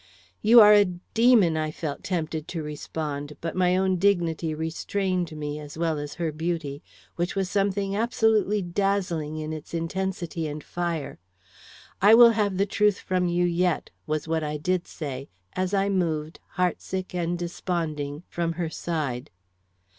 "You are a demon!" I felt tempted to respond, but my own dignity restrained me as well as her beauty, which was something absolutely dazzling in its intensity and fire. "I will have the truth from you yet," was what I did say, as I moved, heart sick and desponding, from her side.